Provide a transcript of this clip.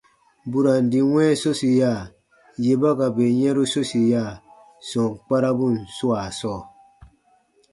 Burandi wɛ̃ɛ sosiya, yè ba ka bè yɛ̃ru sosiya sɔm kparabun swaa sɔɔ.